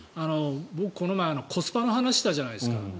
僕、この間コスパの話をしたじゃないですか。